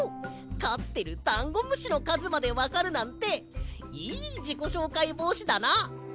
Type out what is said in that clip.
かってるダンゴムシのかずまでわかるなんていいじこしょうかいぼうしだな！